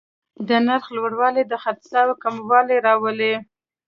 د نرخ لوړوالی د خرڅلاو کموالی راولي.